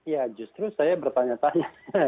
ya justru saya bertanya tanya